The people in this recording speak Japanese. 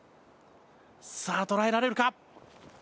さあ捉えられるか？